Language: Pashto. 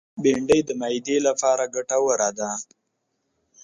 بېنډۍ د معدې لپاره ګټوره ده